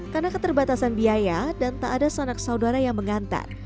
karena keterbatasan biaya dan tak ada sanak saudara yang mengantar